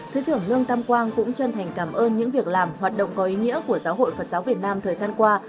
thứ trưởng lương tam quang cũng chân thành cảm ơn những việc làm hoạt động có ý nghĩa của giáo hội phật giáo việt nam thời gian qua